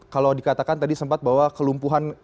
kalau dikatakan tadi sempat bahwa kelumpuhan